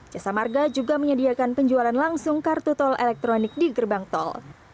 jasa marga juga menyediakan penjualan langsung kartu tol elektronik di gerbang tol